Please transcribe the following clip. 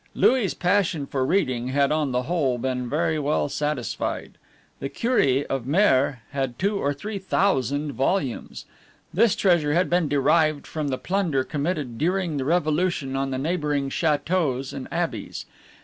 Louis' passion for reading had on the whole been very well satisfied. The cure of Mer had two or three thousand volumes. This treasure had been derived from the plunder committed during the Revolution in the neighboring chateaux and abbeys.